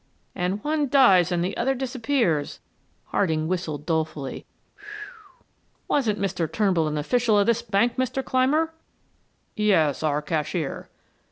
"And one dies and the other disappears," Harding whistled dolefully. "Wasn't Mr. Turnbull an official of this bank, Mr. Clymer?" "Yes, our cashier."